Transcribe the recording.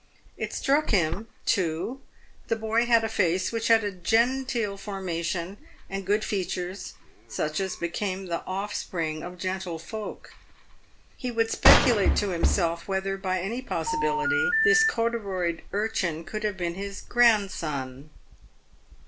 It struck him, too, the boy had a face which had a genteel formation and good features, such as became the offspring of gentlefolk. He would speculate to himself whether, by any possibility, this corduroyed urchin could have been his grandson.